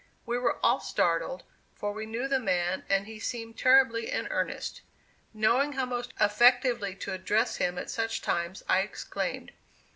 We were all startled, for we knew the man and he seemed terribly in earnest. Knowing how most effectively to address him at such times, I exclaimed.